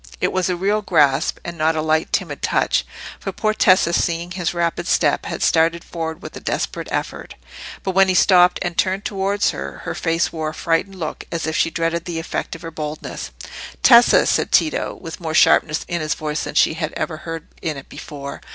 It was a real grasp, and not a light, timid touch; for poor Tessa, seeing his rapid step, had started forward with a desperate effort. But when he stopped and turned towards her, her face wore a frightened look, as if she dreaded the effect of her boldness. "Tessa!" said Tito, with more sharpness in his voice than she had ever heard in it before.